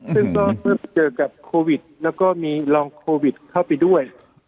ซึ่งก็เมื่อเจอกับโควิดแล้วก็มีรองโควิดเข้าไปด้วย